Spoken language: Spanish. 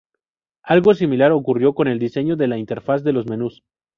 Algo similar ocurrió con el diseño de la interfaz de los menús.